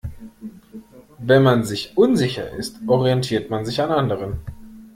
Wenn man sich unsicher ist, orientiert man sich an anderen.